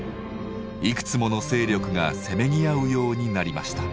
いくつもの勢力がせめぎ合うようになりました。